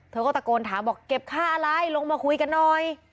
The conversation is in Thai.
เธอก็ตะโกนถามบอกเก็บค่าอะไรลงมาคุยกันหน่อย